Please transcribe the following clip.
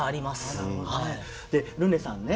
でルネさんね